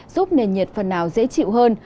giúp nền nhiệt phần nào dễ chịu hơn